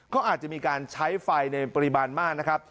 ก็อาจจะมีการใช้ไฟในปริมาณมากนะครับ